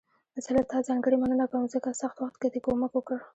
زه له تا ځانګړي مننه کوم، ځکه سخت وخت کې دې کومک وکړ.